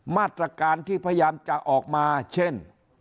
มาตรการที่พยายามจะออกมาเช่น